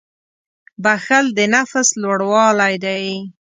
• بښل د نفس لوړوالی دی.